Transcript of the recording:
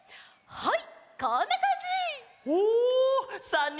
はい。